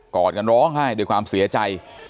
อดกันร้องไห้ด้วยความเสียใจ